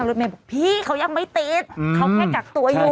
อันลูกแม่บอกพี่เขายังไม่ตีดเขาแค่กักตัวอยู่